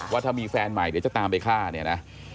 ว่าถ้ามีแฟนใหม่เดี๋ยวจะตามไปฆ่า